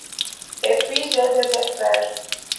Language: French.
Et puis, j’ai des affaires.